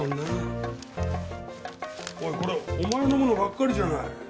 おいこれお前のものばっかりじゃない！